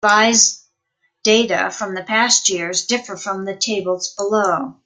Revised data for the past years differ from the tables below.